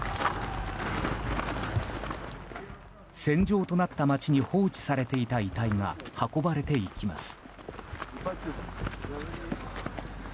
戦場となった街に放置されていた遺体が運ばれていきます。